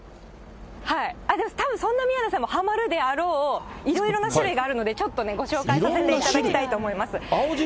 たぶんそんな宮根さんもはまるであろう、いろいろな種類があるので、ご紹介させていただきたいと思います。